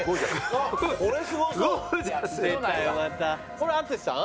これ淳さん？